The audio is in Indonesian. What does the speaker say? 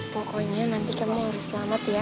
pokoknya nanti kamu harus selamat ya